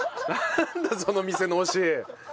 なんだその店の教え。